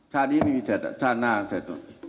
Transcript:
ชาตินี้ไม่มีเสร็จชาติหน้าเสร็จสุด